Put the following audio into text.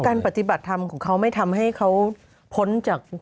ปฏิบัติธรรมของเขาไม่ทำให้เขาพ้นจาก